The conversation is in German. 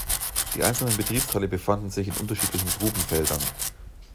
Die einzelnen Betriebsteile befanden sich in unterschiedlichen Grubenfeldern.